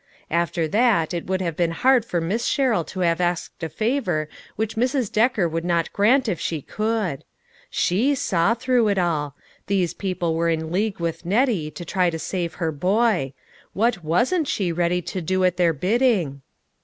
After that, it would have been hard for Miss Sherrill to have asked a favor which Mrs. Decker would not grant if she could. She saw through it all ; these people were in league with Nettie, to try to save her boy. What wasn't she ready to do at their bidding